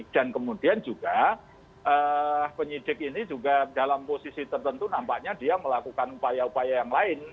dan kemudian juga penyidik ini juga dalam posisi tertentu nampaknya dia melakukan upaya upaya yang lain